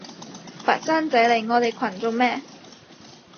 佛山仔嚟我哋群做乜？